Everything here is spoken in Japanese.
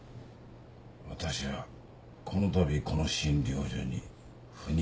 わたしはこの度この診療所に赴任してきた。